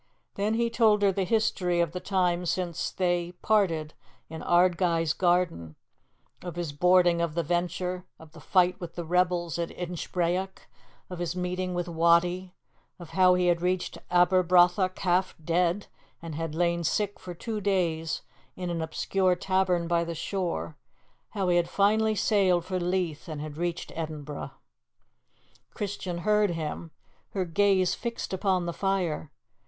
Then he told her the history of the time since they parted in Ardguys garden; of his boarding of the Venture; of the fight with the rebels at Inchbrayock; of his meeting with Wattie; of how he had reached Aberbrothock half dead, and had lain sick for two days in an obscure tavern by the shore; how he had finally sailed for Leith and had reached Edinburgh. Christian heard him, her gaze fixed upon the fire.